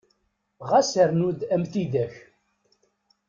Ɣas rnu-d am tidak!